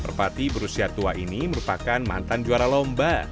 merpati berusia tua ini merupakan mantan juara lomba